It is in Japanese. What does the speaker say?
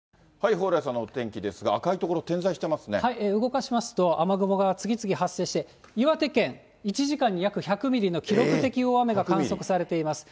蓬莱さんのお天気ですが、赤い所、動かしますと、雨雲が次々発生して、岩手県、１時間に約１００ミリの記録的大雨が観測されています。